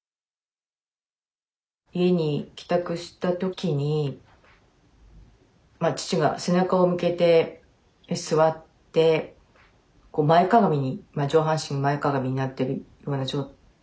家に帰宅した時にまあ父が背中を向けて座って前かがみに上半身前かがみになってるような状態だったんですね。